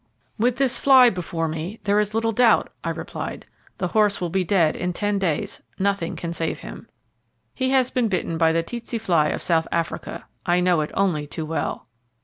"With this fly before me, there is little doubt," I replied; "the horse will be dead in ten days nothing can save him. He has been bitten by the tse tse fly of South Africa I know it only too well."